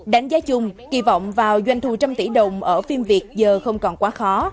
đánh giá chung kỳ vọng vào doanh thu trăm tỷ đồng ở phim việt giờ không còn quá khó